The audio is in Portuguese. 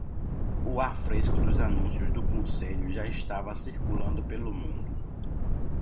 O ar fresco dos anúncios do conselho já estava circulando pelo mundo.